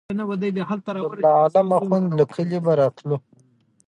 د ملا عالم اخند له کلي به راتللو.